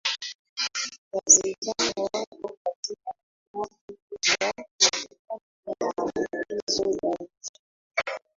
wasichana wako katika hatari kubwa ya kupata maambukizo ya virusi